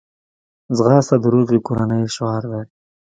ځغاسته د روغې کورنۍ شعار دی